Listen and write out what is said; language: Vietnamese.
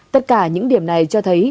tất cả những điểm này cho thấy